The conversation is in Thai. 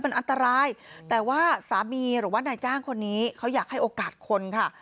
มันอันตรายแต่ว่าสามีหรือว่านายจ้างคนนี้เขาอยากให้โอกาสคนค่ะ